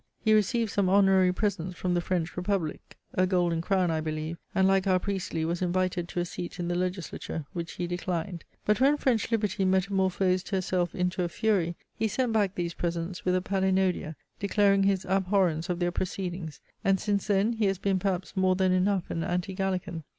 He received some honorary presents from the French Republic, (a golden crown I believe), and, like our Priestley, was invited to a seat in the legislature, which he declined. But when French liberty metamorphosed herself into a fury, he sent back these presents with a palinodia, declaring his abhorrence of their proceedings: and since then he has been perhaps more than enough an Anti Gallican.